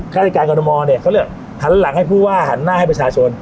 ราชการกรทมเนี่ยเขาเรียกหันหลังให้ผู้ว่าหันหน้าให้ประชาชน